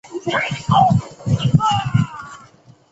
公共运输交汇处是香港唯一位于地底的巴士总站。